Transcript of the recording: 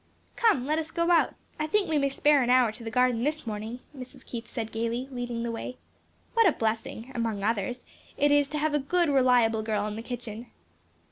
'" "Come, let us go out; I think we may spare an hour to the garden this morning," Mrs. Keith said gayly, leading the way. "What a blessing, among others, it is to have a good reliable girl in the kitchen!"